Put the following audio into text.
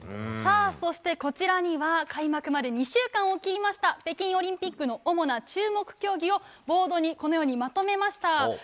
そして、こちらには開幕まで２週間を切りました北京オリンピックの主な注目競技をボードにまとめました。